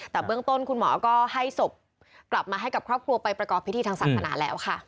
แต่เบื้องต้นคุณหมอก็ให้ศพกลับมาให้กับครอบครัวไปประกอบพิธีทางศาสนาแล้วค่ะ